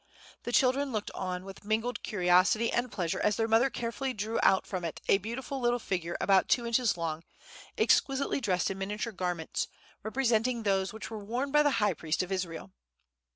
The children looked on with mingled curiosity and pleasure as their mother carefully drew out from it a beautiful little figure about two inches long, exquisitely dressed in miniature garments, representing those which were worn by the high priest of Israel.